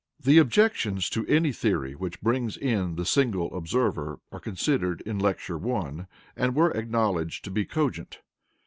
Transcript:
The objections to any theory which brings in the single observer were considered in Lecture I, and were acknowledged to be cogent.